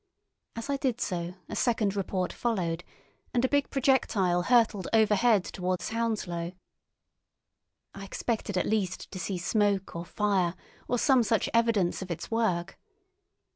As I did so a second report followed, and a big projectile hurtled overhead towards Hounslow. I expected at least to see smoke or fire, or some such evidence of its work.